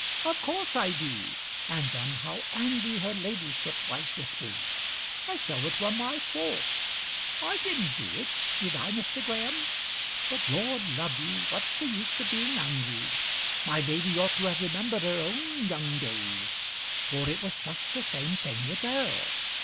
"Of course I do. And then how angry her ladyship was with me, as though it were my fault. I didn't do it. Did I, Mr. Graham? But, Lord love you, what's the use of being angry? My lady ought to have remembered her own young days, for it was just the same thing with her.